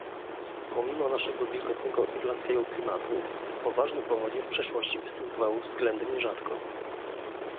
Pomimo naszego wilgotnego irlandzkiego klimatu, poważne powodzie w przeszłości występowały względnie rzadko